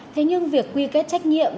thế nhưng việc quy kết trách nhiệm